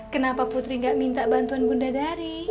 kenapa putri gak minta bantuan bunda dari